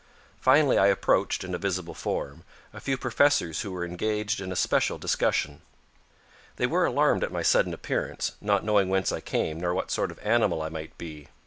Finally I approached, in a visible form, a few professors who were engaged in a special discussion. They were alarmed at my sudden appearance, not knowing whence I came nor what sort of an animal I might be.